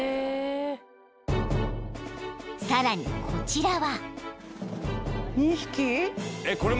［さらにこちらは］